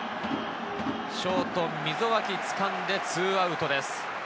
ショート・溝脇つかんで２アウトです。